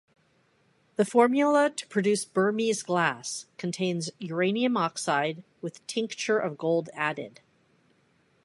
The formula to produce Burmese Glass contains uranium oxide with tincture of gold added.